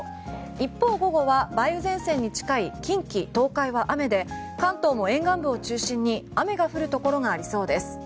一方、午後は梅雨前線に近い近畿・東海は雨で関東も沿岸部を中心に雨が降るところがありそうです。